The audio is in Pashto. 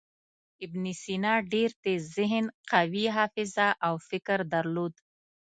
ابن سینا ډېر تېز ذهن، قوي حافظه او فکر درلود.